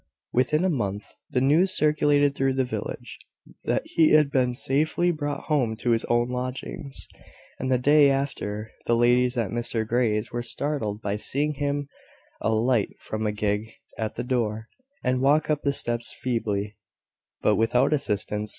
Within a month, the news circulated through the village, that he had been safely brought home to his own lodgings; and the day after, the ladies at Mr Grey's were startled by seeing him alight from a gig at the door, and walk up the steps feebly, but without assistance.